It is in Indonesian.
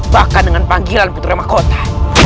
bahkan dengan panggilan putri remakota